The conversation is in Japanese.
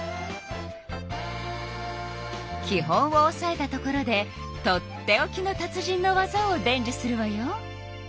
き本をおさえたところでとっておきの達人のわざを伝じゅするわよ！